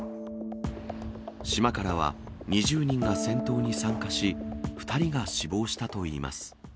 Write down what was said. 島からは２０人が戦闘に参加し、２人が死亡したといいます。